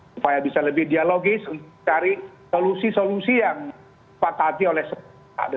supaya bisa lebih dialogis untuk mencari solusi solusi yang patah hati oleh semua